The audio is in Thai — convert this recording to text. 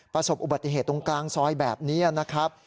ประสบอุบัติเหตุตรงกลางซอยแบบนี้นะครับ